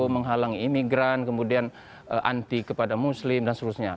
menghalangi imigran kemudian anti kepada muslim dan seterusnya